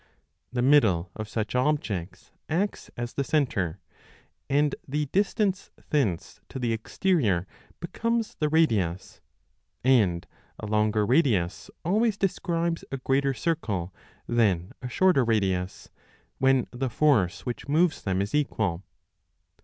The middle of such objects acts as the centre and the distance thence to the exterior becomes the radius, and a longer radius always describes a greater circle than a shorter radius when the force which moves them is equal.